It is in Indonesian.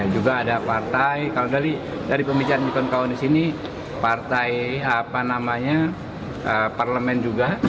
juga ada partai kalau dari pembicaraan kawan kawan di sini partai apa namanya parlemen juga